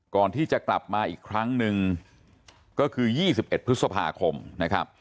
ก่อนที่จะกลับมาอีกครั้งหนึ่งก็คือ๒๑พฤษภาคมนะครับ